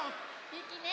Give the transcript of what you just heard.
ゆきね